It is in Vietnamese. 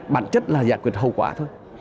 bản chất là giải quyết hậu quả thôi